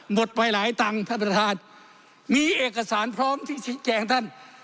หมดไปหลายตังค์ท่านประธานมีเอกสารพร้อมที่ชี้แจงท่าน